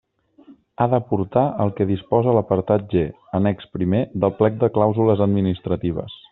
Ha d'aportar el que disposa l'apartat G, annex primer del plec de clàusules administratives.